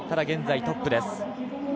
現在、トップです。